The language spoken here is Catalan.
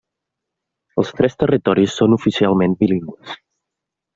Els tres territoris són oficialment bilingües.